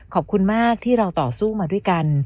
ขอบคุณมากที่เราต่อสู้มาด้วยกัน